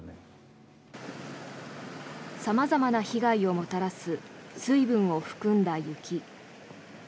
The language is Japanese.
様々な被害をもたらす水分を含んだ雪。